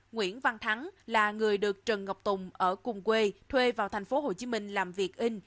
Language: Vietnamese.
nguyễn văn thắng là người được trần ngọc tùng ở cùng quê thuê vào thành phố hồ chí minh